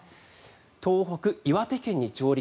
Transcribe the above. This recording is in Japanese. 東北、岩手県に上陸。